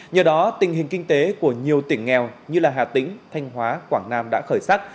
nhờ đó tình hình kinh tế của nhiều tỉnh nghèo như hà tĩnh thanh hóa quảng nam đã khởi sắc